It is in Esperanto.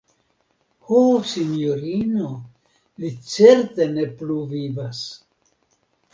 Ho, sinjorino, li certe ne plu vivas.